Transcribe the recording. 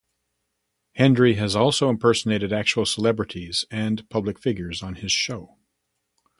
Hendrie has also impersonated actual celebrities and public figures on his show.